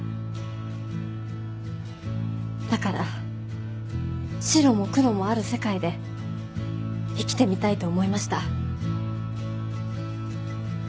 だから白も黒もある世界で生きてみたいと思いました。